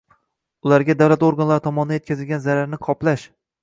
Ularga davlat organlari tomonidan yetkazilgan zararni qoplash